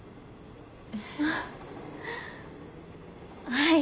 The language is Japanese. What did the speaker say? はい。